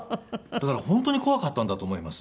だから本当に怖かったんだと思います。